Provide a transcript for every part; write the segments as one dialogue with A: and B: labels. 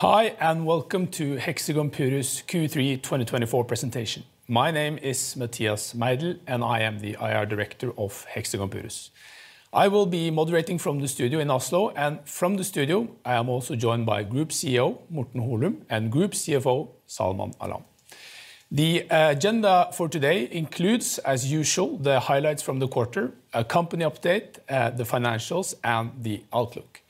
A: Hi, and welcome to Hexagon Purus Q3 2024 presentation. My name is Mathias Meidell, and I am the IR Director of Hexagon Purus. I will be moderating from the studio in Oslo, and from the studio, I am also joined by Group CEO Morten Holum and Group CFO Salman Alam. The agenda for today includes, as usual, the highlights from the quarter, a company update, the financials, and the outlook.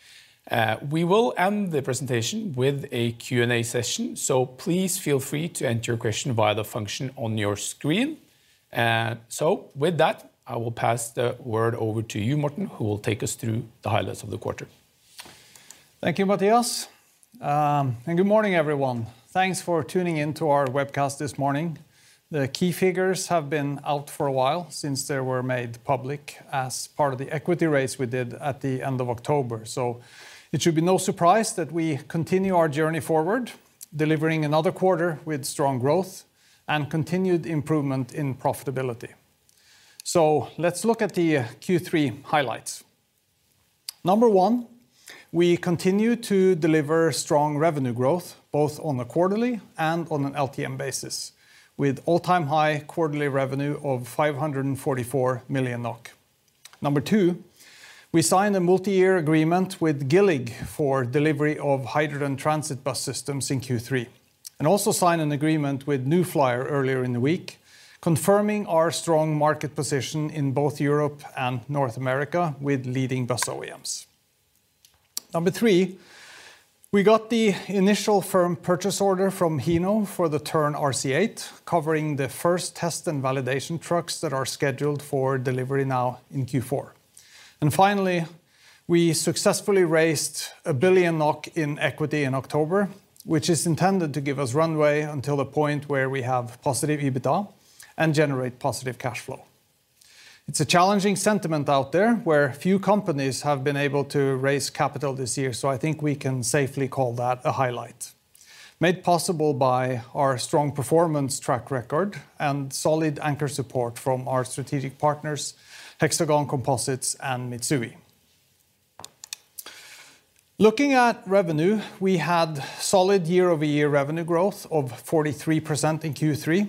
A: We will end the presentation with a Q&A session, so please feel free to enter your question via the function on your screen, so with that, I will pass the word over to you, Morten, who will take us through the highlights of the quarter.
B: Thank you, Mathias. And good morning, everyone. Thanks for tuning in to our webcast this morning. The key figures have been out for a while since they were made public as part of the equity raise we did at the end of October. So it should be no surprise that we continue our journey forward, delivering another quarter with strong growth and continued improvement in profitability. So let's look at the Q3 highlights. Number one, we continue to deliver strong revenue growth, both on a quarterly and on an LTM basis, with all-time high quarterly revenue of 544 million NOK. Number two, we signed a multi-year agreement with GILLIG for delivery of hydrogen transit bus systems in Q3, and also signed an agreement with New Flyer earlier in the week, confirming our strong market position in both Europe and North America with leading bus OEMs. Number three, we got the initial firm purchase order from Hino for the Tern RC8, covering the first test and validation trucks that are scheduled for delivery now in Q4. And finally, we successfully raised 1 billion NOK in equity in October, which is intended to give us runway until the point where we have positive EBITDA and generate positive cash flow. It's a challenging sentiment out there where few companies have been able to raise capital this year, so I think we can safely call that a highlight, made possible by our strong performance track record and solid anchor support from our strategic partners, Hexagon Composites, and Mitsui. Looking at revenue, we had solid year-over-year revenue growth of 43% in Q3,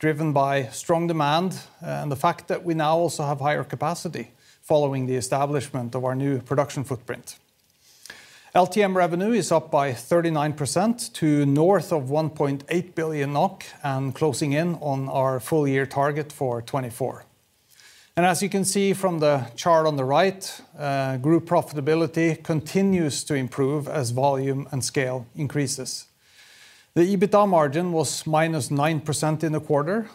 B: driven by strong demand and the fact that we now also have higher capacity following the establishment of our new production footprint. LTM revenue is up by 39% to north of 1.8 billion NOK and closing in on our full-year target for 2024. As you can see from the chart on the right, group profitability continues to improve as volume and scale increases. The EBITDA margin was -9% in the quarter.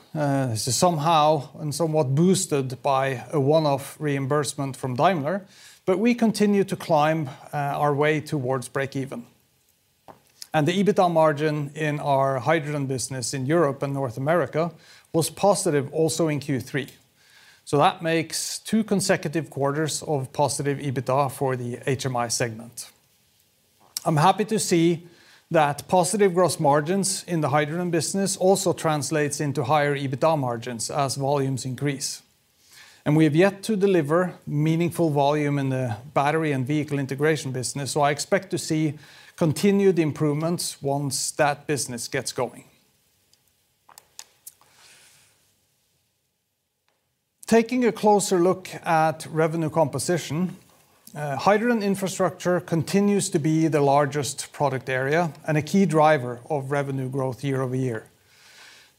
B: This is somehow and somewhat boosted by a one-off reimbursement from Daimler, but we continue to climb our way towards break-even. The EBITDA margin in our hydrogen business in Europe and North America was positive also in Q3. That makes two consecutive quarters of positive EBITDA for the HMI segment. I'm happy to see that positive gross margins in the hydrogen business also translate into higher EBITDA margins as volumes increase. We have yet to deliver meaningful volume in the battery and vehicle integration business, so I expect to see continued improvements once that business gets going. Taking a closer look at revenue composition, hydrogen infrastructure continues to be the largest product area and a key driver of revenue growth year-over-year.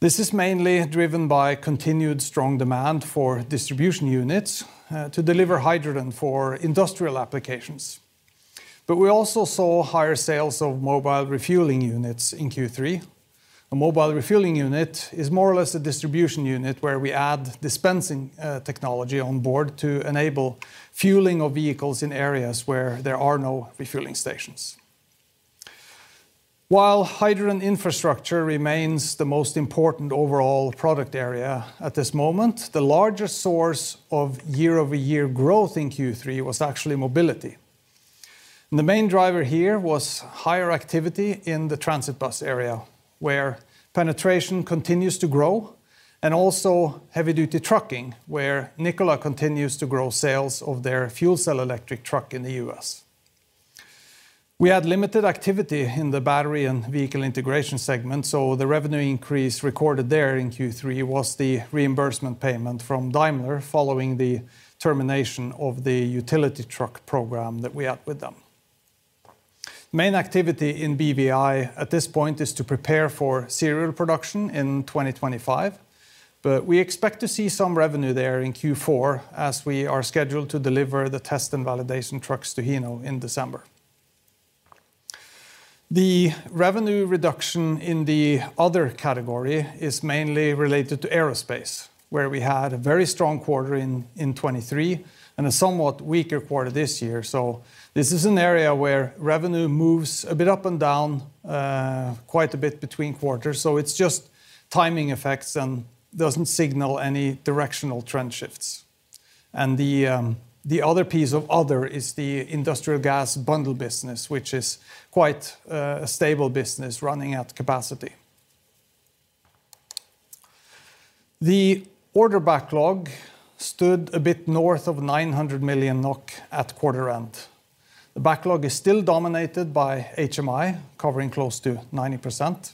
B: This is mainly driven by continued strong demand for distribution units to deliver hydrogen for industrial applications. But we also saw higher sales of mobile refueling units in Q3. A mobile refueling unit is more or less a distribution unit where we add dispensing technology on board to enable fueling of vehicles in areas where there are no refueling stations. While hydrogen infrastructure remains the most important overall product area at this moment, the largest source of year-over-year growth in Q3 was actually mobility. The main driver here was higher activity in the transit bus area, where penetration continues to grow, and also heavy-duty trucking, where Nikola continues to grow sales of their fuel cell electric truck in the U.S. We had limited activity in the battery and vehicle integration segment, so the revenue increase recorded there in Q3 was the reimbursement payment from Daimler following the termination of the utility truck program that we had with them. Main activity in BVI at this point is to prepare for serial production in 2025, but we expect to see some revenue there in Q4 as we are scheduled to deliver the test and validation trucks to Hino in December. The revenue reduction in the other category is mainly related to aerospace, where we had a very strong quarter in 2023 and a somewhat weaker quarter this year. This is an area where revenue moves a bit up and down quite a bit between quarters, so it's just timing effects and doesn't signal any directional trend shifts. The other piece of other is the industrial gas bundle business, which is quite a stable business running at capacity. The order backlog stood a bit north of 900 million NOK at quarter end. The backlog is still dominated by HMI, covering close to 90%.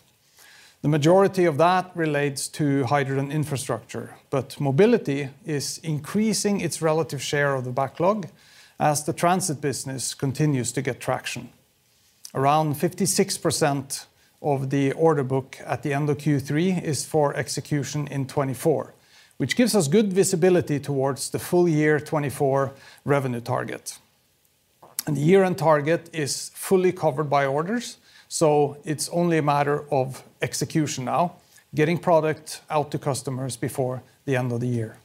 B: The majority of that relates to hydrogen infrastructure, but mobility is increasing its relative share of the backlog as the transit business continues to get traction. Around 56% of the order book at the end of Q3 is for execution in 2024, which gives us good visibility towards the full-year 2024 revenue target. The year-end target is fully covered by orders, so it's only a matter of execution now, getting product out to customers before the end of the year.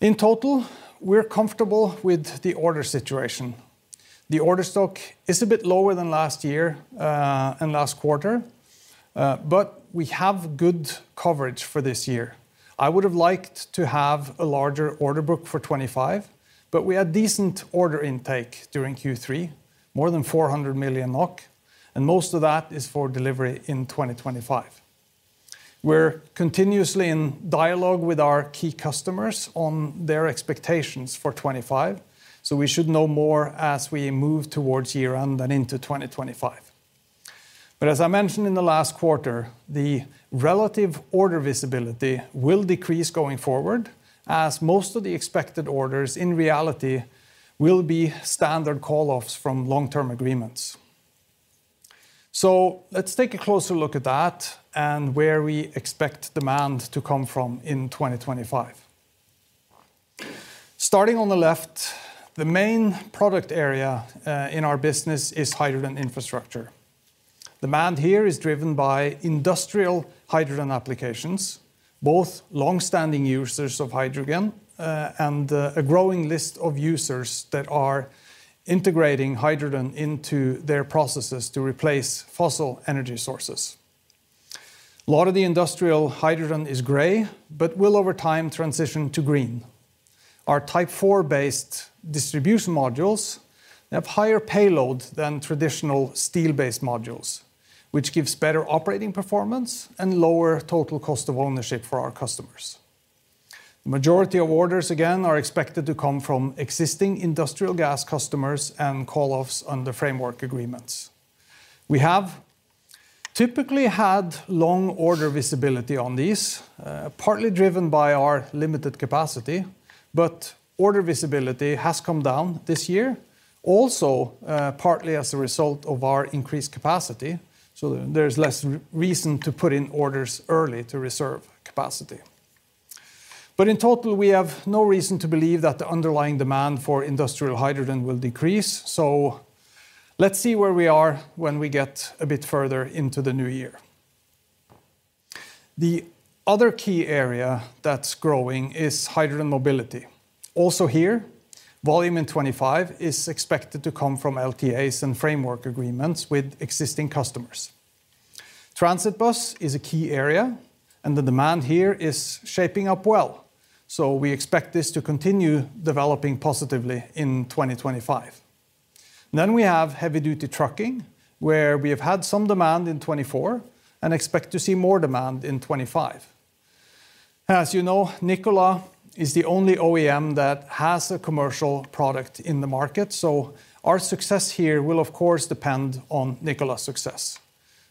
B: In total, we're comfortable with the order situation. The order stock is a bit lower than last year and last quarter, but we have good coverage for this year. I would have liked to have a larger order book for 2025, but we had decent order intake during Q3, more than 400 million NOK, and most of that is for delivery in 2025. We're continuously in dialogue with our key customers on their expectations for 2025, so we should know more as we move towards year-end and into 2025. But as I mentioned in the last quarter, the relative order visibility will decrease going forward as most of the expected orders in reality will be standard call-offs from long-term agreements. So let's take a closer look at that and where we expect demand to come from in 2025. Starting on the left, the main product area in our business is hydrogen infrastructure. Demand here is driven by industrial hydrogen applications, both long-standing users of hydrogen and a growing list of users that are integrating hydrogen into their processes to replace fossil energy sources. A lot of the industrial hydrogen is gray, but will over time transition to green. Our Type 4-based distribution modules have higher payload than traditional steel-based modules, which gives better operating performance and lower total cost of ownership for our customers. The majority of orders, again, are expected to come from existing industrial gas customers and call-offs under framework agreements. We have typically had long order visibility on these, partly driven by our limited capacity, but order visibility has come down this year, also partly as a result of our increased capacity, so there's less reason to put in orders early to reserve capacity. But in total, we have no reason to believe that the underlying demand for industrial hydrogen will decrease, so let's see where we are when we get a bit further into the new year. The other key area that's growing is hydrogen mobility. Also here, volume in 2025 is expected to come from LTAs and framework agreements with existing customers. Transit bus is a key area, and the demand here is shaping up well, so we expect this to continue developing positively in 2025. Then we have heavy-duty trucking, where we have had some demand in 2024 and expect to see more demand in 2025. As you know, Nikola is the only OEM that has a commercial product in the market, so our success here will, of course, depend on Nikola's success.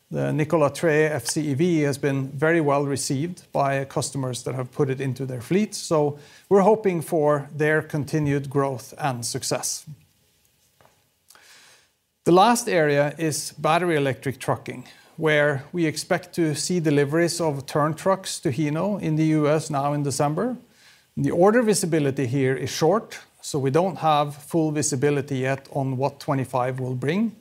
B: The Nikola Tre FCEV has been very well received by customers that have put it into their fleet, so we're hoping for their continued growth and success. The last area is battery electric trucking, where we expect to see deliveries of Tern trucks to Hino in the U.S. now in December. The order visibility here is short, so we don't have full visibility yet on what 2025 will bring,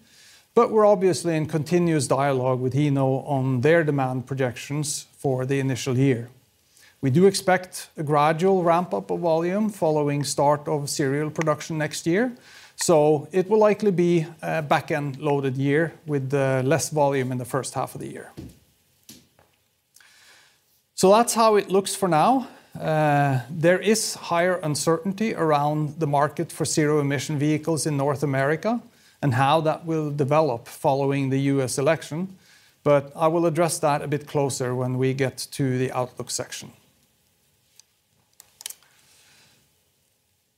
B: but we're obviously in continuous dialogue with Hino on their demand projections for the initial year. We do expect a gradual ramp-up of volume following the start of serial production next year, so it will likely be a back-end loaded year with less volume in the first half of the year. So that's how it looks for now. There is higher uncertainty around the market for zero-emission vehicles in North America and how that will develop following the U.S. election, but I will address that a bit closer when we get to the outlook section.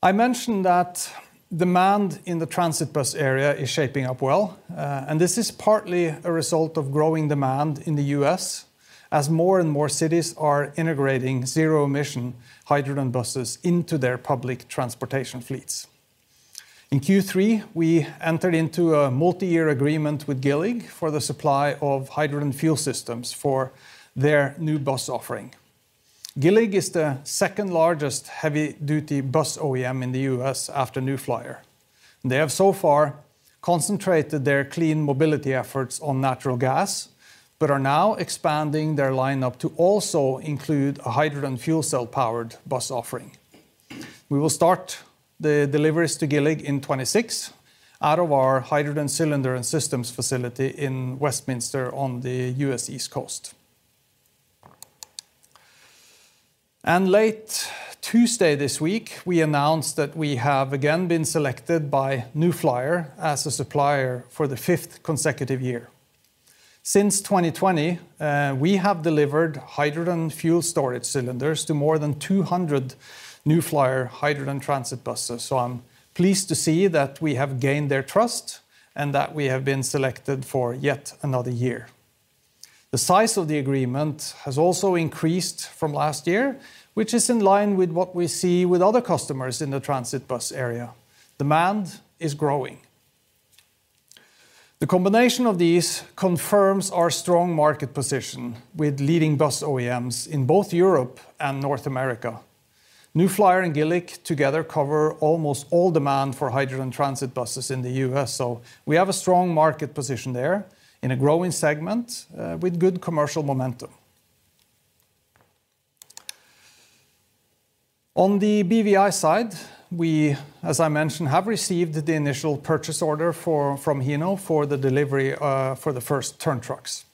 B: I mentioned that demand in the transit bus area is shaping up well, and this is partly a result of growing demand in the U.S. as more and more cities are integrating zero-emission hydrogen buses into their public transportation fleets. In Q3, we entered into a multi-year agreement with GILLIG for the supply of hydrogen fuel systems for their new bus offering. GILLIG is the second-largest heavy-duty bus OEM in the U.S. after New Flyer. They have so far concentrated their clean mobility efforts on natural gas, but are now expanding their lineup to also include a hydrogen fuel cell-powered bus offering. We will start the deliveries to GILLIG in 2026 out of our hydrogen cylinder and systems facility in Westminster on the U.S. East Coast. And late Tuesday this week, we announced that we have again been selected by New Flyer as a supplier for the fifth consecutive year. Since 2020, we have delivered hydrogen fuel storage cylinders to more than 200 New Flyer hydrogen transit buses, so I'm pleased to see that we have gained their trust and that we have been selected for yet another year. The size of the agreement has also increased from last year, which is in line with what we see with other customers in the transit bus area. Demand is growing. The combination of these confirms our strong market position with leading bus OEMs in both Europe and North America. New Flyer and GILLIG together cover almost all demand for hydrogen transit buses in the U.S., so we have a strong market position there in a growing segment with good commercial momentum. On the BVI side, we, as I mentioned, have received the initial purchase order from Hino for the delivery for the first Tern trucks.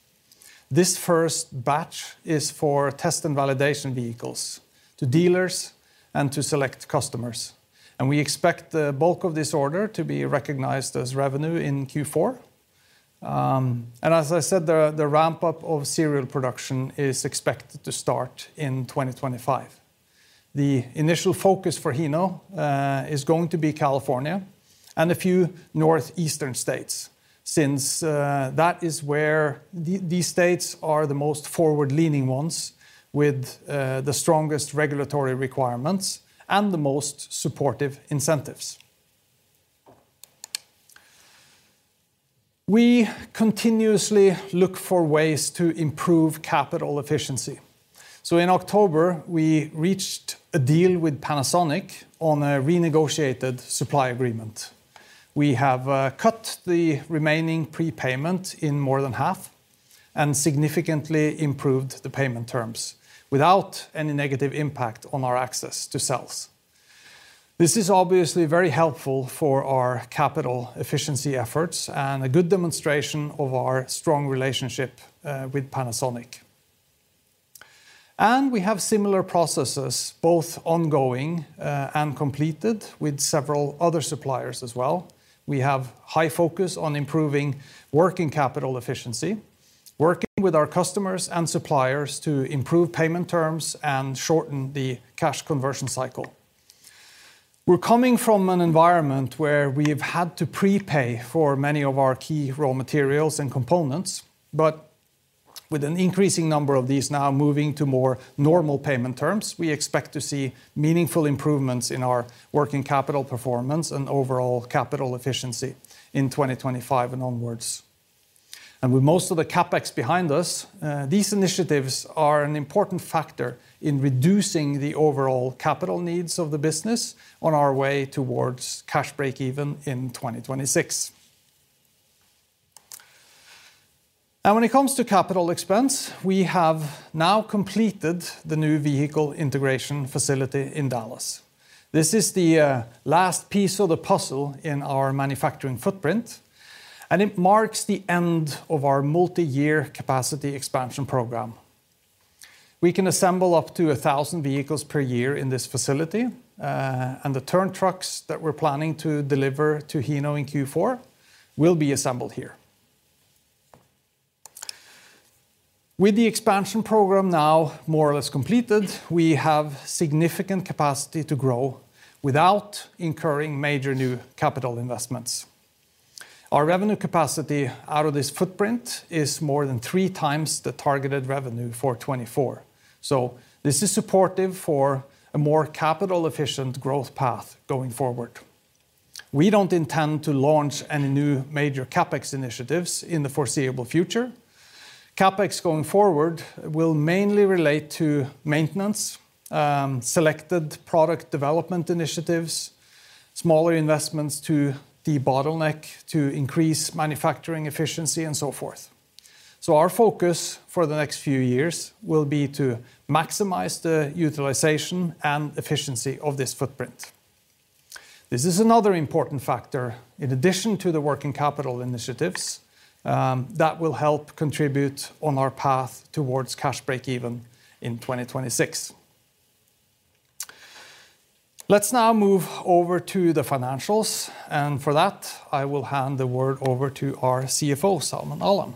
B: This first batch is for test and validation vehicles to dealers and to select customers, and we expect the bulk of this order to be recognized as revenue in Q4, and as I said, the ramp-up of serial production is expected to start in 2025. The initial focus for Hino is going to be California and a few northeastern states, since that is where these states are the most forward-leaning ones with the strongest regulatory requirements and the most supportive incentives. We continuously look for ways to improve capital efficiency. So in October, we reached a deal with Panasonic on a renegotiated supply agreement. We have cut the remaining prepayment in more than half and significantly improved the payment terms without any negative impact on our access to cells. This is obviously very helpful for our capital efficiency efforts and a good demonstration of our strong relationship with Panasonic. And we have similar processes, both ongoing and completed, with several other suppliers as well. We have high focus on improving working capital efficiency, working with our customers and suppliers to improve payment terms and shorten the cash conversion cycle. We're coming from an environment where we have had to prepay for many of our key raw materials and components, but with an increasing number of these now moving to more normal payment terms, we expect to see meaningful improvements in our working capital performance and overall capital efficiency in 2025 and onwards, and with most of the CapEx behind us, these initiatives are an important factor in reducing the overall capital needs of the business on our way towards cash break-even in 2026, and when it comes to capital expense, we have now completed the new vehicle integration facility in Dallas. This is the last piece of the puzzle in our manufacturing footprint, and it marks the end of our multi-year capacity expansion program. We can assemble up to 1,000 vehicles per year in this facility, and the Tern trucks that we're planning to deliver to Hino in Q4 will be assembled here. With the expansion program now more or less completed, we have significant capacity to grow without incurring major new capital investments. Our revenue capacity out of this footprint is more than 3x the targeted revenue for 2024, so this is supportive for a more capital-efficient growth path going forward. We don't intend to launch any new major CapEx initiatives in the foreseeable future. CapEx going forward will mainly relate to maintenance, selected product development initiatives, smaller investments to de-bottleneck, to increase manufacturing efficiency, and so forth. So our focus for the next few years will be to maximize the utilization and efficiency of this footprint. This is another important factor, in addition to the working capital initiatives, that will help contribute on our path towards cash break-even in 2026. Let's now move over to the financials, and for that, I will hand the word over to our CFO, Salman Alam.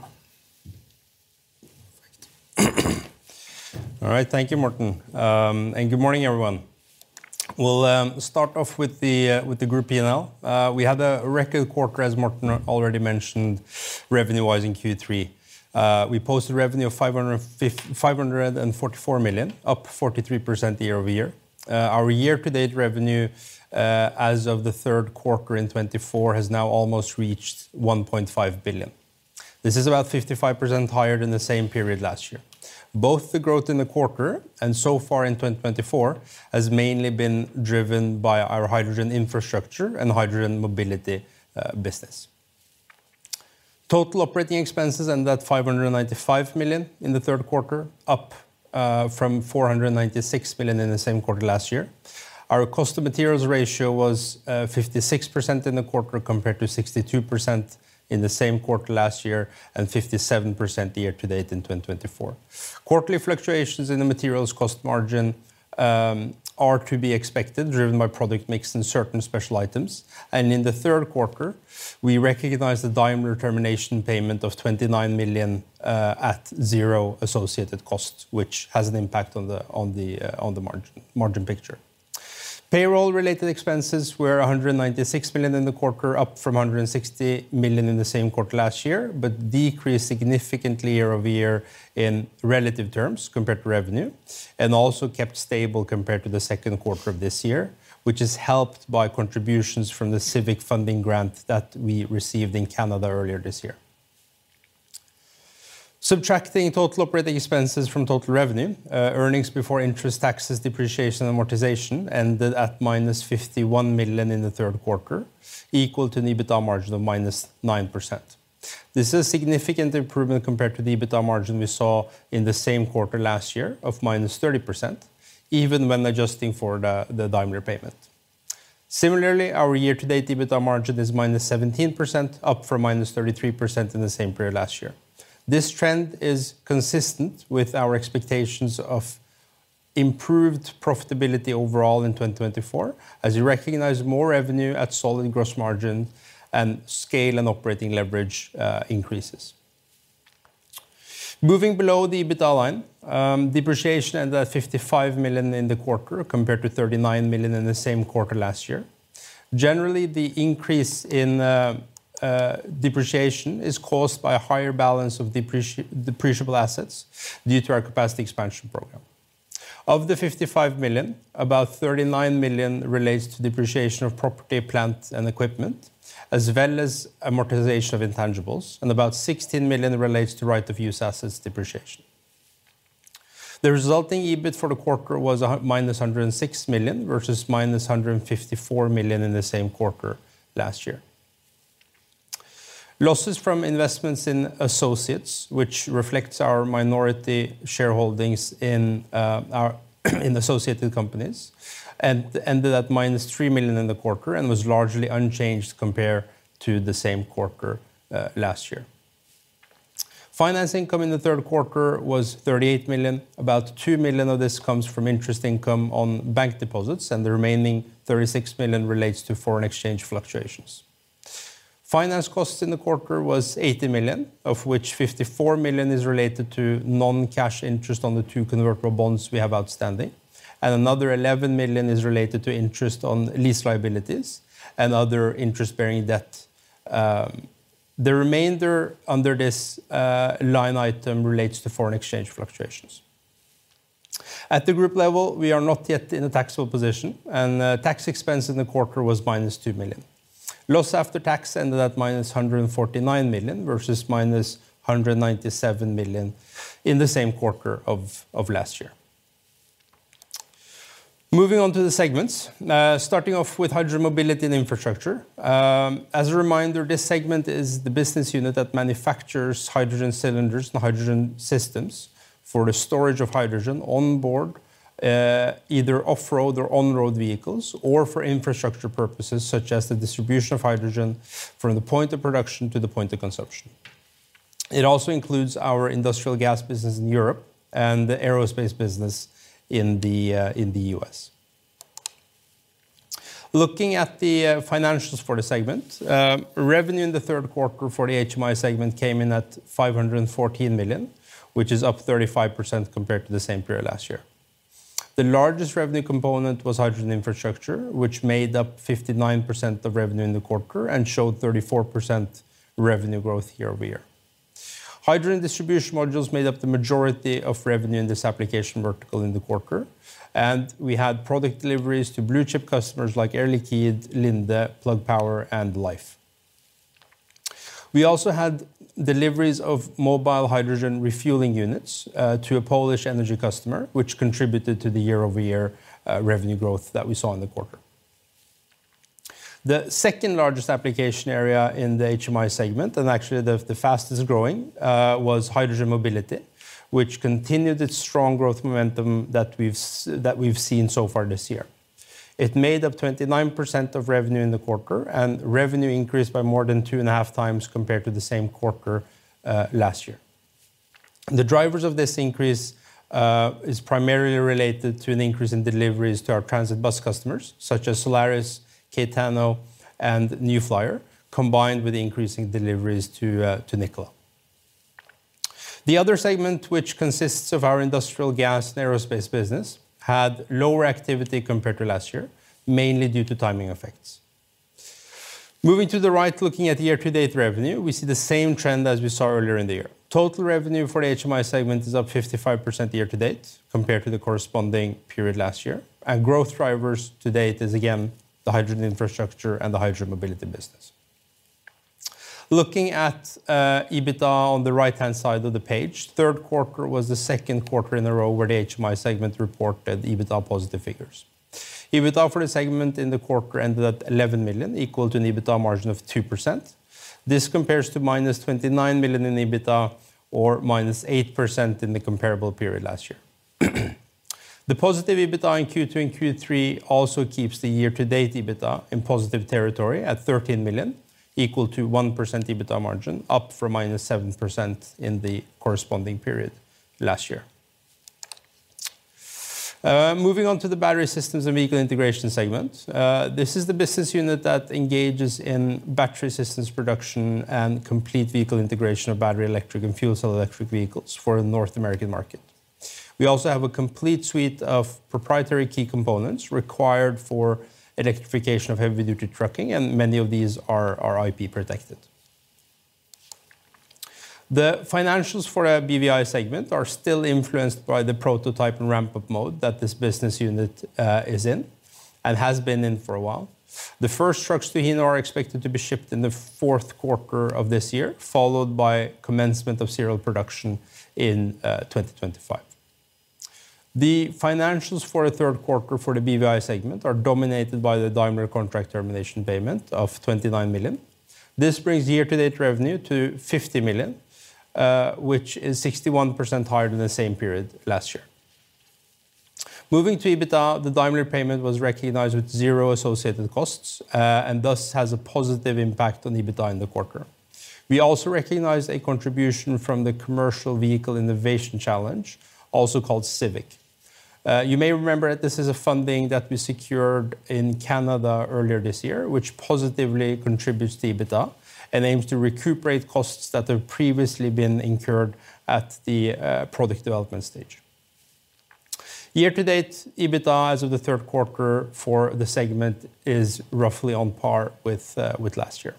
C: All right, thank you, Morten, and good morning, everyone. We'll start off with the group P&L. We had a record quarter, as Morten already mentioned, revenue-wise in Q3. We posted a revenue of 544 million, up 43% year-over-year. Our year-to-date revenue as of the third quarter in 2024 has now almost reached 1.5 billion. This is about 55% higher than the same period last year. Both the growth in the quarter and so far in 2024 has mainly been driven by our hydrogen infrastructure and hydrogen mobility business. Total operating expenses ended at 595 million in the third quarter, up from 496 million in the same quarter last year. Our cost of materials ratio was 56% in the quarter compared to 62% in the same quarter last year and 57% year-to-date in 2024. Quarterly fluctuations in the materials cost margin are to be expected, driven by product mix and certain special items. In the third quarter, we recognize the Daimler termination payment of 29 million at zero associated cost, which has an impact on the margin picture. Payroll-related expenses were 196 million in the quarter, up from 160 million in the same quarter last year, but decreased significantly year-over-year in relative terms compared to revenue, and also kept stable compared to the second quarter of this year, which is helped by contributions from the CVIC funding grant that we received in Canada earlier this year. Subtracting total operating expenses from total revenue, earnings before interest, taxes, depreciation, and amortization ended at -51 million in the third quarter, equal to an EBITDA margin of -9%. This is a significant improvement compared to the EBITDA margin we saw in the same quarter last year of -30%, even when adjusting for the Daimler payment. Similarly, our year-to-date EBITDA margin is -17%, up from -33% in the same period last year. This trend is consistent with our expectations of improved profitability overall in 2024, as we recognize more revenue at solid gross margin and scale and operating leverage increases. Moving below the EBITDA line, depreciation ended at 55 million in the quarter compared to 39 million in the same quarter last year. Generally, the increase in depreciation is caused by a higher balance of depreciable assets due to our capacity expansion program. Of the 55 million, about 39 million relates to depreciation of property, plants, and equipment, as well as amortization of intangibles, and about 16 million relates to right-of-use assets depreciation. The resulting EBIT for the quarter was minus 106 million versus minus 154 million in the same quarter last year. Losses from investments in associates, which reflects our minority shareholdings in associated companies, ended at -3 million in the quarter and was largely unchanged compared to the same quarter last year. Finance income in the third quarter was 38 million. About 2 million of this comes from interest income on bank deposits, and the remaining 36 million relates to foreign exchange fluctuations. Finance costs in the quarter was 80 million, of which 54 million is related to non-cash interest on the two convertible bonds we have outstanding, and another 11 million is related to interest on lease liabilities and other interest-bearing debt. The remainder under this line item relates to foreign exchange fluctuations. At the group level, we are not yet in a taxable position, and tax expense in the quarter was -2 million. Loss after tax ended at -149 million versus -197 million in the same quarter of last year. Moving on to the segments, starting off with hydrogen mobility and infrastructure. As a reminder, this segment is the business unit that manufactures hydrogen cylinders and hydrogen systems for the storage of hydrogen on board either off-road or on-road vehicles or for infrastructure purposes, such as the distribution of hydrogen from the point of production to the point of consumption. It also includes our industrial gas business in Europe and the aerospace business in the U.S. Looking at the financials for the segment, revenue in the third quarter for the HMI segment came in at 514 million, which is up 35% compared to the same period last year. The largest revenue component was hydrogen infrastructure, which made up 59% of revenue in the quarter and showed 34% revenue growth year-over-year. Hydrogen distribution modules made up the majority of revenue in this application vertical in the quarter, and we had product deliveries to blue-chip customers like Air Liquide, Linde, Plug Power, and Lhyfe. We also had deliveries of mobile hydrogen refueling units to a Polish energy customer, which contributed to the year-over-year revenue growth that we saw in the quarter. The second largest application area in the HMI segment, and actually the fastest growing, was hydrogen mobility, which continued its strong growth momentum that we've seen so far this year. It made up 29% of revenue in the quarter, and revenue increased by more than 2.5x compared to the same quarter last year. The drivers of this increase are primarily related to an increase in deliveries to our transit bus customers, such as Solaris, CaetanoBus, and New Flyer, combined with increasing deliveries to Nikola. The other segment, which consists of our industrial gas and aerospace business, had lower activity compared to last year, mainly due to timing effects. Moving to the right, looking at year-to-date revenue, we see the same trend as we saw earlier in the year. Total revenue for the HMI segment is up 55% year-to-date compared to the corresponding period last year, and growth drivers to date is, again, the hydrogen infrastructure and the hydrogen mobility business. Looking at EBITDA on the right-hand side of the page, third quarter was the second quarter in a row where the HMI segment reported EBITDA positive figures. EBITDA for the segment in the quarter ended at 11 million, equal to an EBITDA margin of 2%. This compares to -29 million in EBITDA or -8% in the comparable period last year. The positive EBITDA in Q2 and Q3 also keeps the year-to-date EBITDA in positive territory at 13 million, equal to 1% EBITDA margin, up from -7% in the corresponding period last year. Moving on to the battery systems and vehicle integration segment, this is the business unit that engages in battery systems production and complete vehicle integration of battery electric and fuel cell electric vehicles for the North American market. We also have a complete suite of proprietary key components required for electrification of heavy-duty trucking, and many of these are IP protected. The financials for our BVI segment are still influenced by the prototype and ramp-up mode that this business unit is in and has been in for a while. The first trucks to Hino are expected to be shipped in the fourth quarter of this year, followed by commencement of serial production in 2025. The financials for the third quarter for the BVI segment are dominated by the Daimler contract termination payment of 29 million. This brings year-to-date revenue to 50 million, which is 61% higher than the same period last year. Moving to EBITDA, the Daimler payment was recognized with zero associated costs and thus has a positive impact on EBITDA in the quarter. We also recognize a contribution from the Commercial Vehicle Innovation Challenge, also called CVIC. You may remember that this is funding that we secured in Canada earlier this year, which positively contributes to EBITDA and aims to recuperate costs that have previously been incurred at the product development stage. Year-to-date EBITDA as of the third quarter for the segment is roughly on par with last year.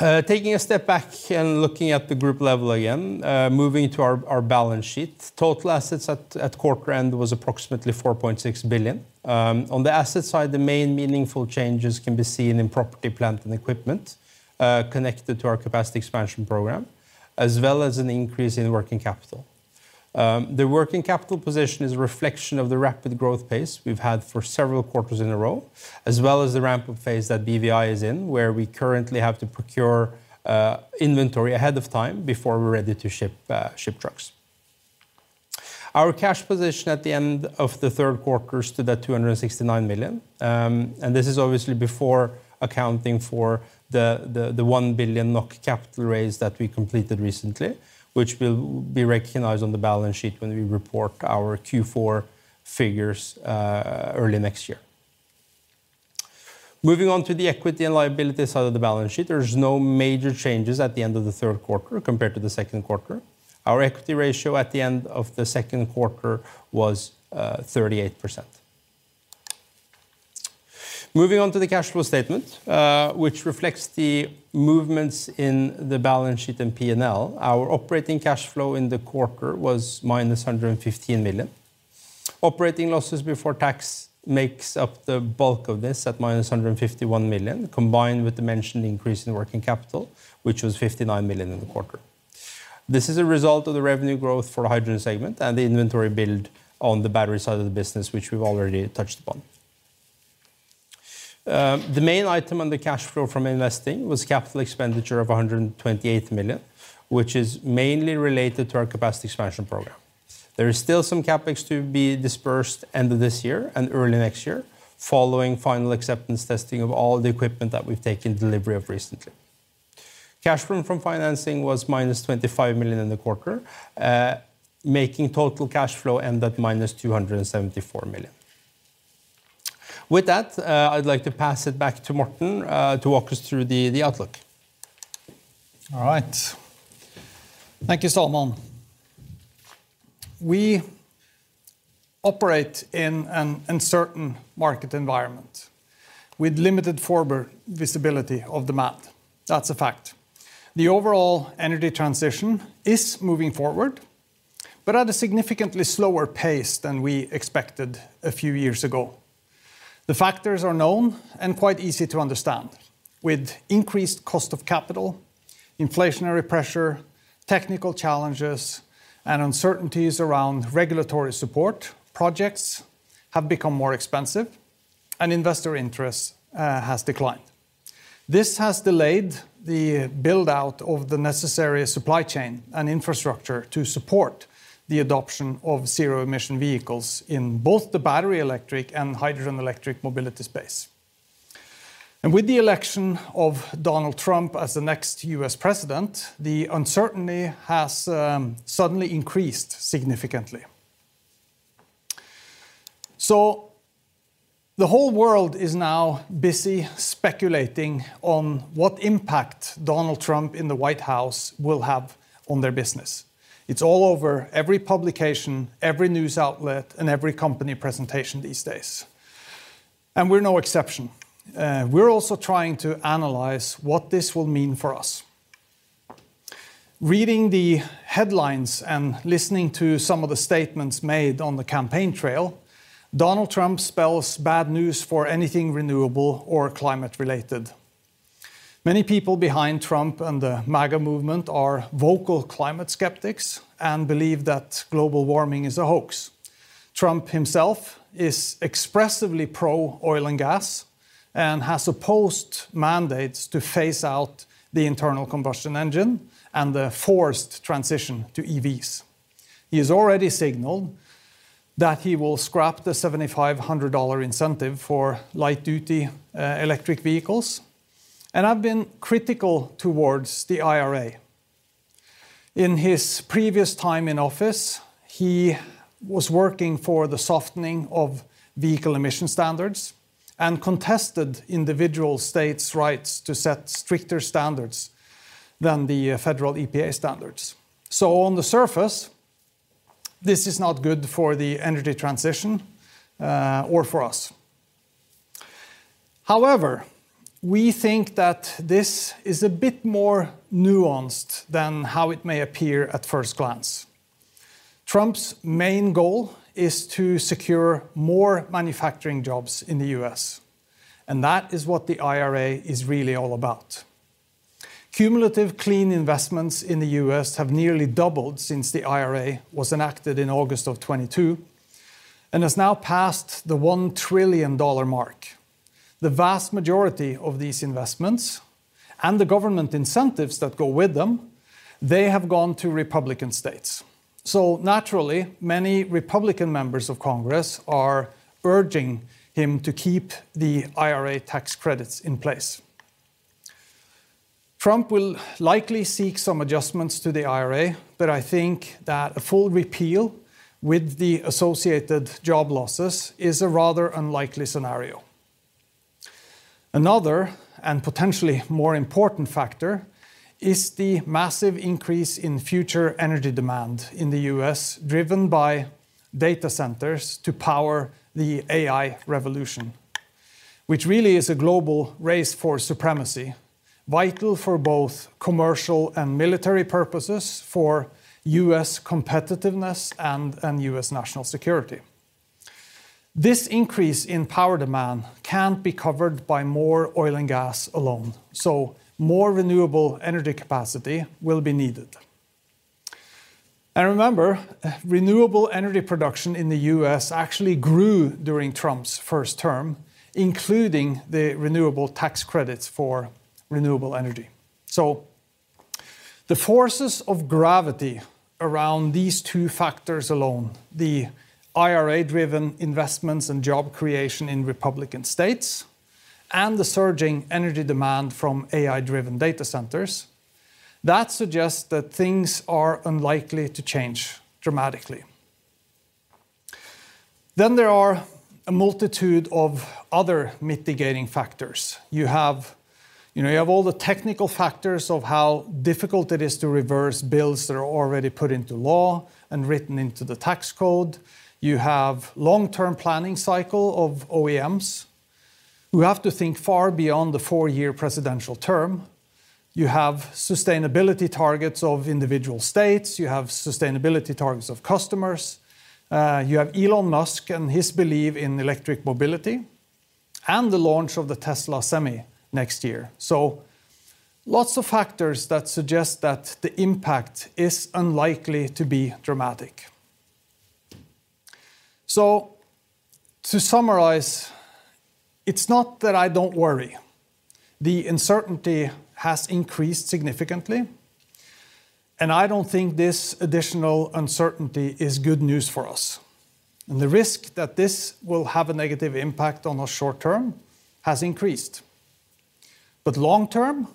C: Taking a step back and looking at the group level again, moving to our balance sheet, total assets at quarter end was approximately 4.6 billion. On the asset side, the main meaningful changes can be seen in property, plant, and equipment connected to our capacity expansion program, as well as an increase in working capital. The working capital position is a reflection of the rapid growth pace we've had for several quarters in a row, as well as the ramp-up phase that BVI is in, where we currently have to procure inventory ahead of time before we're ready to ship trucks. Our cash position at the end of the third quarter stood at 269 million, and this is obviously before accounting for the 1 billion NOK capital raise that we completed recently, which will be recognized on the balance sheet when we report our Q4 figures early next year. Moving on to the equity and liability side of the balance sheet, there are no major changes at the end of the third quarter compared to the second quarter. Our equity ratio at the end of the second quarter was 38%. Moving on to the cash flow statement, which reflects the movements in the balance sheet and P&L, our operating cash flow in the quarter was -115 million. Operating losses before tax makes up the bulk of this at -151 million, combined with the mentioned increase in working capital, which was 59 million in the quarter. This is a result of the revenue growth for the hydrogen segment and the inventory build on the battery side of the business, which we've already touched upon. The main item on the cash flow from investing was capital expenditure of 128 million, which is mainly related to our capacity expansion program. There is still some CapEx to be dispersed end of this year and early next year, following final acceptance testing of all the equipment that we've taken delivery of recently. Cash flow from financing was -25 million in the quarter, making total cash flow end at -274 million. With that, I'd like to pass it back to Morten to walk us through the outlook.
B: All right. Thank you, Salman. We operate in an uncertain market environment with limited forward visibility of the market. That's a fact. The overall energy transition is moving forward, but at a significantly slower pace than we expected a few years ago. The factors are known and quite easy to understand. With increased cost of capital, inflationary pressure, technical challenges, and uncertainties around regulatory support, projects have become more expensive, and investor interest has declined. This has delayed the build-out of the necessary supply chain and infrastructure to support the adoption of zero-emission vehicles in both the battery electric and hydrogen electric mobility space, and with the election of Donald Trump as the next U.S. president, the uncertainty has suddenly increased significantly. So the whole world is now busy speculating on what impact Donald Trump in the White House will have on their business. It's all over every publication, every news outlet, and every company presentation these days, and we're no exception. We're also trying to analyze what this will mean for us. Reading the headlines and listening to some of the statements made on the campaign trail, Donald Trump spells bad news for anything renewable or climate-related. Many people behind Trump and the MAGA movement are vocal climate skeptics and believe that global warming is a hoax. Trump himself is expressively pro-oil and gas and has opposed mandates to phase out the internal combustion engine and the forced transition to EVs. He has already signaled that he will scrap the $7,500 incentive for light-duty electric vehicles and has been critical towards the IRA. In his previous time in office, he was working for the softening of vehicle emission standards and contested individual states' rights to set stricter standards than the federal EPA standards. So on the surface, this is not good for the energy transition or for us. However, we think that this is a bit more nuanced than how it may appear at first glance. Trump's main goal is to secure more manufacturing jobs in the U.S., and that is what the IRA is really all about. Cumulative clean investments in the U.S. have nearly doubled since the IRA was enacted in August of 2022 and has now passed the $1 trillion mark. The vast majority of these investments and the government incentives that go with them, they have gone to Republican states. So naturally, many Republican members of Congress are urging him to keep the IRA tax credits in place. Trump will likely seek some adjustments to the IRA, but I think that a full repeal with the associated job losses is a rather unlikely scenario. Another and potentially more important factor is the massive increase in future energy demand in the U.S., driven by data centers to power the AI revolution, which really is a global race for supremacy, vital for both commercial and military purposes, for U.S. competitiveness and U.S. national security. This increase in power demand can't be covered by more oil and gas alone, so more renewable energy capacity will be needed. And remember, renewable energy production in the U.S. actually grew during Trump's first term, including the renewable tax credits for renewable energy. So the forces of gravity around these two factors alone, the IRA-driven investments and job creation in Republican states and the surging energy demand from AI-driven data centers, that suggests that things are unlikely to change dramatically. Then there are a multitude of other mitigating factors. You have all the technical factors of how difficult it is to reverse bills that are already put into law and written into the tax code. You have a long-term planning cycle of OEMs. We have to think far beyond the four-year presidential term. You have sustainability targets of individual states. You have sustainability targets of customers. You have Elon Musk and his belief in electric mobility and the launch of the Tesla Semi next year. So lots of factors that suggest that the impact is unlikely to be dramatic. So to summarize, it's not that I don't worry. The uncertainty has increased significantly, and I don't think this additional uncertainty is good news for us. And the risk that this will have a negative impact on us short term has increased. But long term,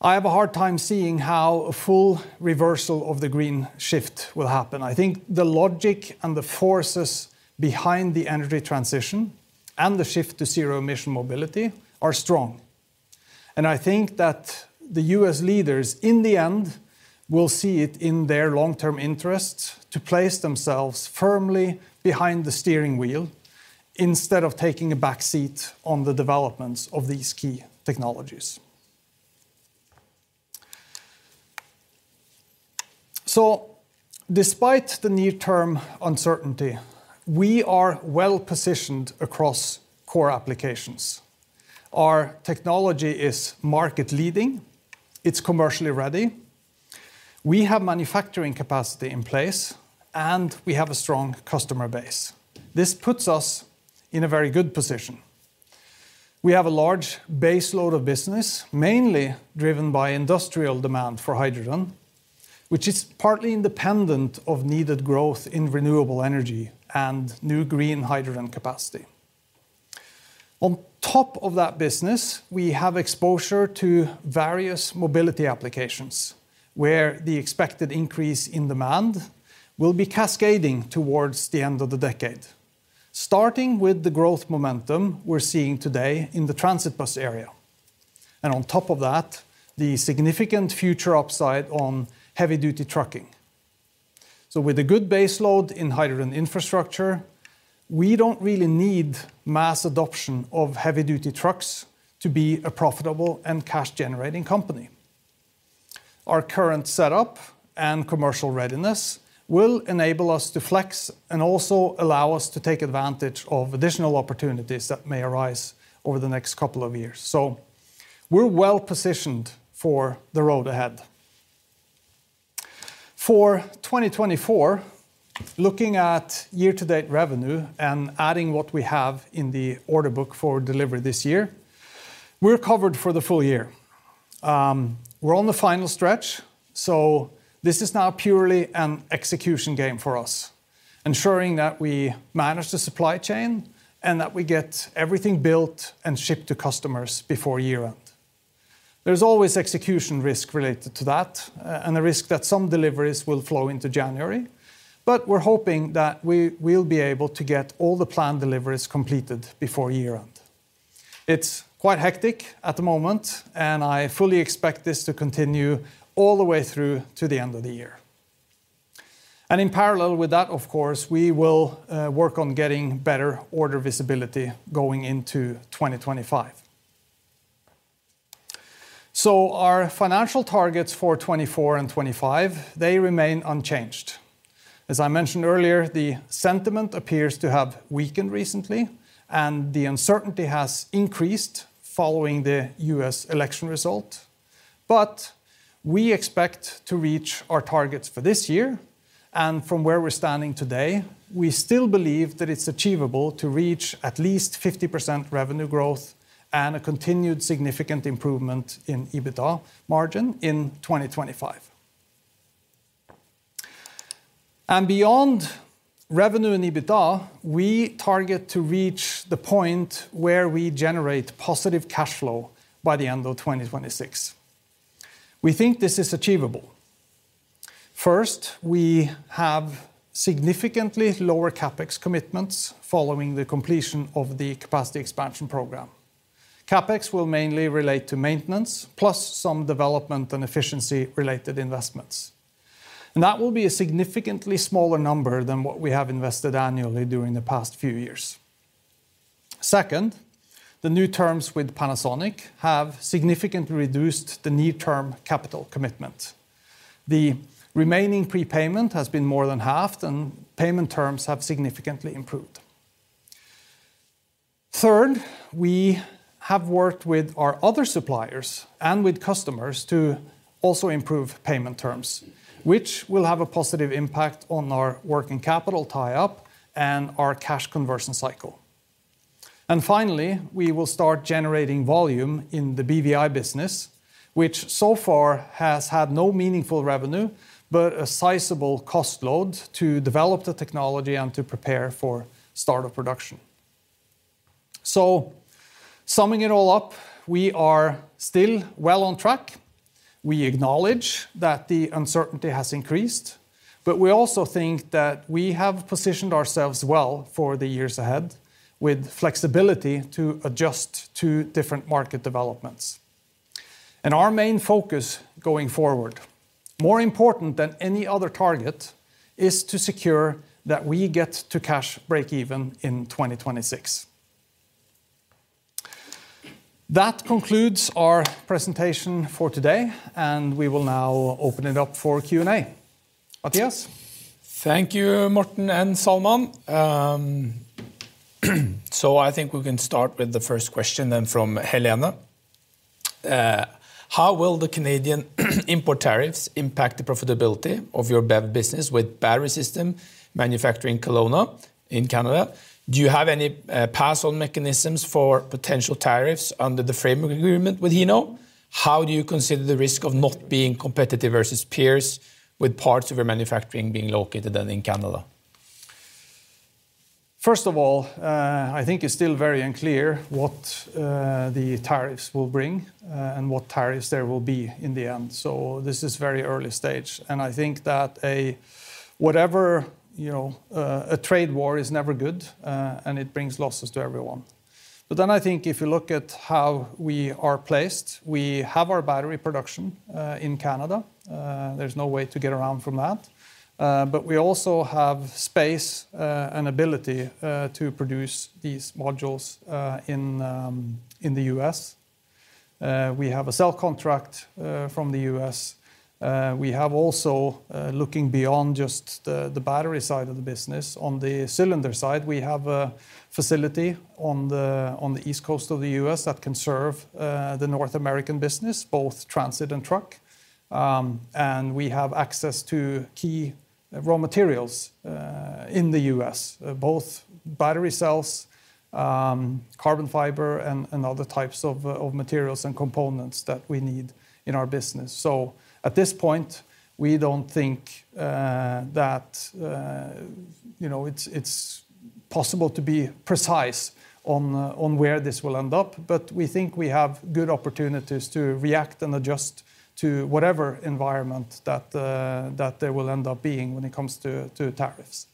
B: I have a hard time seeing how a full reversal of the green shift will happen. I think the logic and the forces behind the energy transition and the shift to zero-emission mobility are strong. And I think that the U.S. leaders, in the end, will see it in their long-term interests to place themselves firmly behind the steering wheel instead of taking a backseat on the developments of these key technologies. So despite the near-term uncertainty, we are well-positioned across core applications. Our technology is market-leading. It's commercially ready. We have manufacturing capacity in place, and we have a strong customer base. This puts us in a very good position. We have a large base load of business, mainly driven by industrial demand for hydrogen, which is partly independent of needed growth in renewable energy and new green hydrogen capacity. On top of that business, we have exposure to various mobility applications where the expected increase in demand will be cascading towards the end of the decade, starting with the growth momentum we're seeing today in the transit bus area. And on top of that, the significant future upside on heavy-duty trucking. So with a good base load in hydrogen infrastructure, we don't really need mass adoption of heavy-duty trucks to be a profitable and cash-generating company. Our current setup and commercial readiness will enable us to flex and also allow us to take advantage of additional opportunities that may arise over the next couple of years. So we're well-positioned for the road ahead. For 2024, looking at year-to-date revenue and adding what we have in the order book for delivery this year, we're covered for the full year. We're on the final stretch, so this is now purely an execution game for us, ensuring that we manage the supply chain and that we get everything built and shipped to customers before year-end. There's always execution risk related to that and the risk that some deliveries will flow into January, but we're hoping that we will be able to get all the planned deliveries completed before year-end. It's quite hectic at the moment, and I fully expect this to continue all the way through to the end of the year. And in parallel with that, of course, we will work on getting better order visibility going into 2025. So our financial targets for 2024 and 2025, they remain unchanged. As I mentioned earlier, the sentiment appears to have weakened recently, and the uncertainty has increased following the U.S. election result. But we expect to reach our targets for this year. And from where we're standing today, we still believe that it's achievable to reach at least 50% revenue growth and a continued significant improvement in EBITDA margin in 2025. And beyond revenue and EBITDA, we target to reach the point where we generate positive cash flow by the end of 2026. We think this is achievable. First, we have significantly lower CapEx commitments following the completion of the capacity expansion program. CapEx will mainly relate to maintenance, plus some development and efficiency-related investments, and that will be a significantly smaller number than what we have invested annually during the past few years. Second, the new terms with Panasonic have significantly reduced the near-term capital commitment. The remaining prepayment has been more than half, and payment terms have significantly improved. Third, we have worked with our other suppliers and with customers to also improve payment terms, which will have a positive impact on our working capital tie-up and our cash conversion cycle. And finally, we will start generating volume in the BVI business, which so far has had no meaningful revenue, but a sizable cost load to develop the technology and to prepare for startup production, so summing it all up, we are still well on track. We acknowledge that the uncertainty has increased, but we also think that we have positioned ourselves well for the years ahead with flexibility to adjust to different market developments, and our main focus going forward, more important than any other target, is to secure that we get to cash break-even in 2026. That concludes our presentation for today, and we will now open it up for Q&A. Mathias?
A: Thank you, Morten and Salman. So I think we can start with the first question then from Helena. How will the Canadian import tariffs impact the profitability of your BEV business with battery system manufacturing Kelowna in Canada? Do you have any pass-on mechanisms for potential tariffs under the framework agreement with Hino? How do you consider the risk of not being competitive versus peers with parts of your manufacturing being located then in Canada?
B: First of all, I think it's still very unclear what the tariffs will bring and what tariffs there will be in the end. So this is very early stage. And I think that whatever a trade war is never good, and it brings losses to everyone. But then I think if you look at how we are placed, we have our battery production in Canada. There's no way to get around from that. But we also have space and ability to produce these modules in the U.S. We have a sale contract from the U.S. We have also, looking beyond just the battery side of the business, on the cylinder side, we have a facility on the East Coast of the U.S. that can serve the North American business, both transit and truck. And we have access to key raw materials in the U.S., both battery cells, carbon fiber, and other types of materials and components that we need in our business. So at this point, we don't think that it's possible to be precise on where this will end up, but we think we have good opportunities to react and adjust to whatever environment that there will end up being when it comes to tariffs.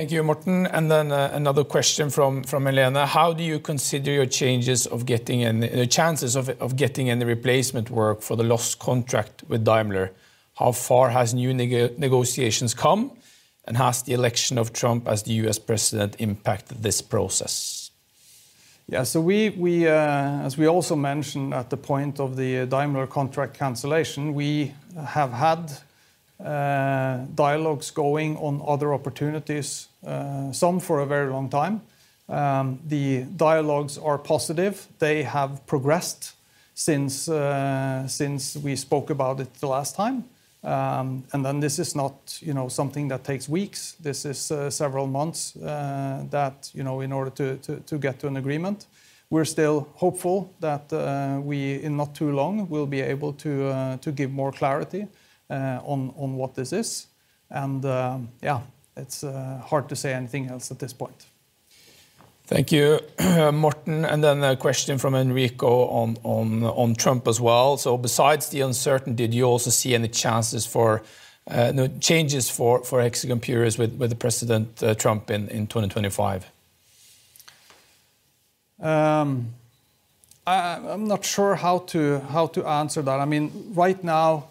A: Thank you, Morten. And then another question from Helena. How do you consider your chances of getting any chances of getting any replacement work for the lost contract with Daimler? How far has new negotiations come? And has the election of Trump as the U.S. president impacted this process?
B: Yeah, so as we also mentioned at the point of the Daimler contract cancellation, we have had dialogues going on other opportunities, some for a very long time. The dialogues are positive. They have progressed since we spoke about it the last time. And then this is not something that takes weeks. This is several months that in order to get to an agreement. We're still hopeful that we, in not too long, will be able to give more clarity on what this is. And yeah, it's hard to say anything else at this point.
A: Thank you, Morten. And then a question from Enrico on Trump as well. So besides the uncertainty, do you also see any changes for incentive periods with President Trump in 2025?
B: I'm not sure how to answer that. I mean, right now,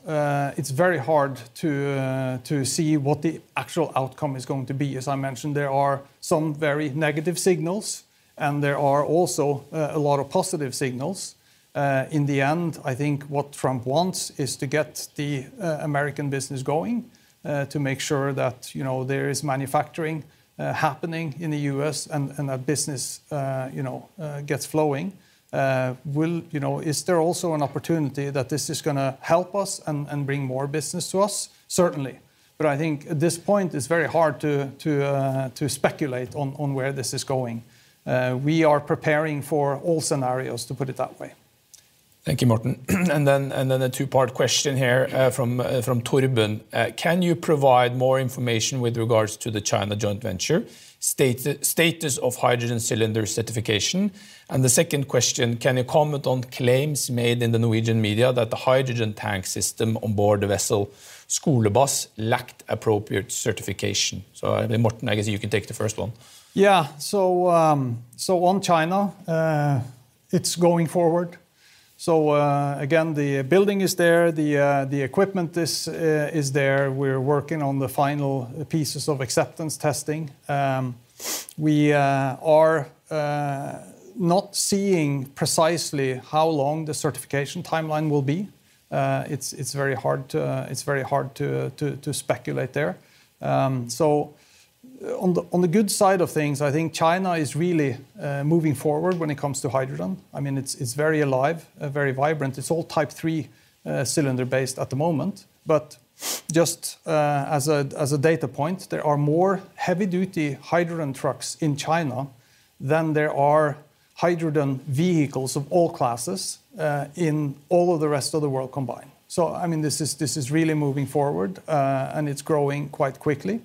B: it's very hard to see what the actual outcome is going to be. As I mentioned, there are some very negative signals, and there are also a lot of positive signals. In the end, I think what Trump wants is to get the American business going to make sure that there is manufacturing happening in the U.S. and that business gets flowing. Is there also an opportunity that this is going to help us and bring more business to us? Certainly. But I think at this point, it's very hard to speculate on where this is going. We are preparing for all scenarios, to put it that way.
A: Thank you, Morten. And then a two-part question here from Torben. Can you provide more information with regards to the China joint venture status of hydrogen cylinder certification? And the second question, can you comment on claims made in the Norwegian media that the hydrogen tank system on board the vessel Skulebas lacked appropriate certification? So Morten, I guess you can take the first one.
B: Yeah, so on China, it's going forward. So again, the building is there. The equipment is there. We're working on the final pieces of acceptance testing. We are not seeing precisely how long the certification timeline will be. It's very hard to speculate there. So on the good side of things, I think China is really moving forward when it comes to hydrogen. I mean, it's very alive, very vibrant. It's all Type 3 cylinder-based at the moment. But just as a data point, there are more heavy-duty hydrogen trucks in China than there are hydrogen vehicles of all classes in all of the rest of the world combined. So I mean, this is really moving forward, and it's growing quite quickly.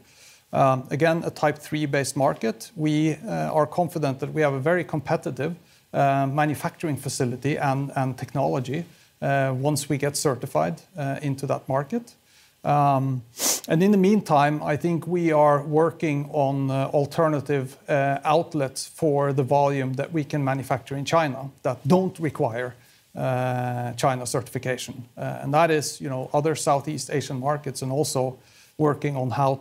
B: Again, a Type 3-based market. We are confident that we have a very competitive manufacturing facility and technology once we get certified into that market. In the meantime, I think we are working on alternative outlets for the volume that we can manufacture in China that don't require China certification. That is other Southeast Asian markets and also working on how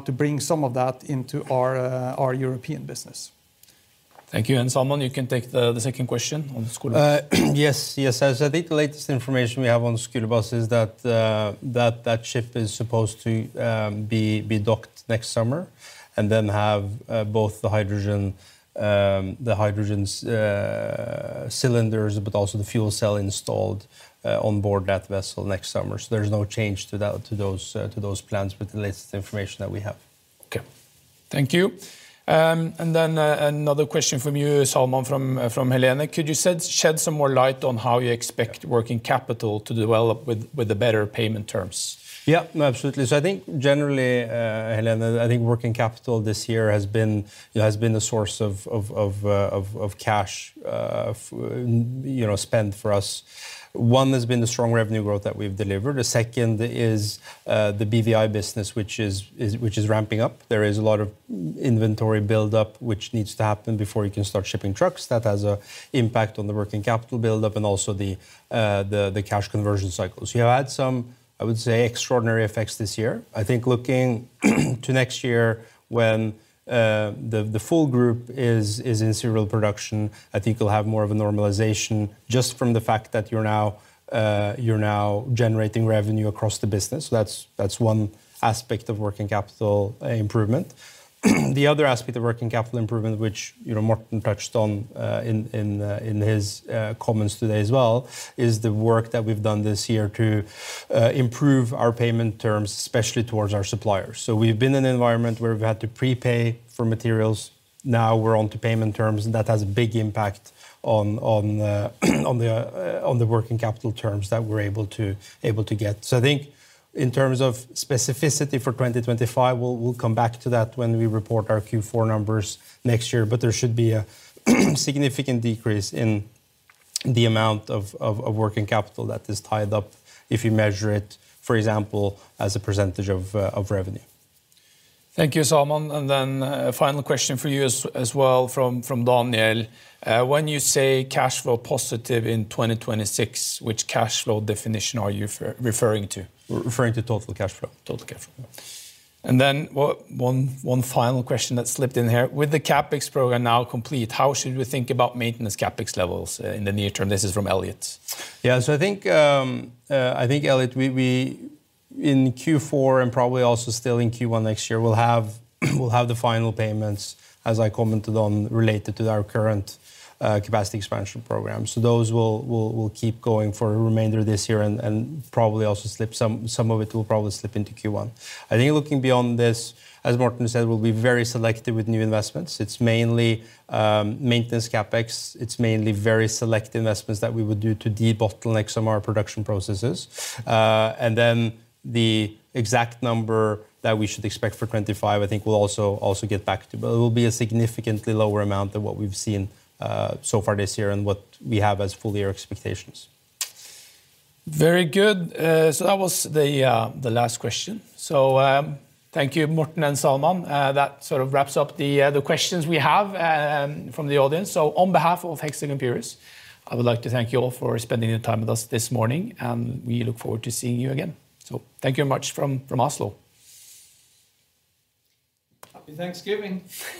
B: to bring some of that into our European business.
A: Thank you. Salman, you can take the second question on Skulebas.
C: Yes, yes. I think the latest information we have on Skulebas is that that ship is supposed to be docked next summer and then have both the hydrogen cylinders, but also the fuel cell installed on board that vessel next summer. So there's no change to those plans with the latest information that we have.
A: Okay, thank you. Then another question from you, Salman, from Helena. Could you shed some more light on how you expect working capital to develop with the better payment terms?
C: Yeah, absolutely. So I think generally, Helena, I think working capital this year has been a source of cash spend for us. One has been the strong revenue growth that we've delivered. The second is the BVI business, which is ramping up. There is a lot of inventory buildup, which needs to happen before you can start shipping trucks. That has an impact on the working capital buildup and also the cash conversion cycles. You have had some, I would say, extraordinary effects this year. I think looking to next year when the full group is in serial production, I think you'll have more of a normalization just from the fact that you're now generating revenue across the business. So that's one aspect of working capital improvement. The other aspect of working capital improvement, which Morten touched on in his comments today as well, is the work that we've done this year to improve our payment terms, especially towards our suppliers. So we've been in an environment where we've had to prepay for materials. Now we're onto payment terms, and that has a big impact on the working capital terms that we're able to get. So I think in terms of specificity for 2025, we'll come back to that when we report our Q4 numbers next year, but there should be a significant decrease in the amount of working capital that is tied up if you measure it, for example, as a percentage of revenue.
A: Thank you, Salman. And then a final question for you as well from Daniel. When you say cash flow positive in 2026, which cash flow definition are you referring to? Referring to total cash flow. Total cash flow. Then one final question that slipped in here. With the CapEx program now complete, how should we think about maintenance CapEx levels in the near term? This is from Elliott.
C: Yeah, so I think, Elliott, in Q4 and probably also still in Q1 next year, we'll have the final payments, as I commented on, related to our current capacity expansion program. So those will keep going for the remainder of this year and probably also some of it will slip into Q1. I think looking beyond this, as Morten said, we'll be very selective with new investments. It's mainly maintenance CapEx. It's mainly very selective investments that we would do to debottleneck next summer our production processes. And then the exact number that we should expect for 2025, I think we'll also get back to, but it will be a significantly lower amount than what we've seen so far this year and what we have as full year expectations.
A: Very good. So that was the last question. So thank you, Morten and Salman. That sort of wraps up the questions we have from the audience. So on behalf of Hexagon Purus, I would like to thank you all for spending your time with us this morning, and we look forward to seeing you again. So thank you very much from Oslo.
B: Happy Thanksgiving.